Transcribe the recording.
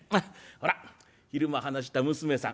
ほら昼間話した娘さん。